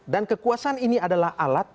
dan kekuasaan ini adalah alat